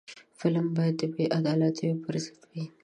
فلم باید د بې عدالتیو پر ضد وي